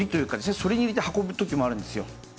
それに入れて運ぶ時もあるんですよ。